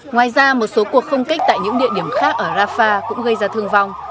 ngoài ra một số cuộc không kích tại những địa điểm khác ở rafah cũng gây ra thương vong